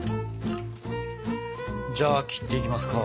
じゃあ切っていきますか。